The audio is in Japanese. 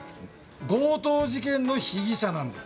強盗事件の被疑者なんです。